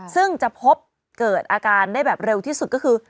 ซึ่งจะพบเกิดอาการได้แบบเร็วที่สุดก็คือ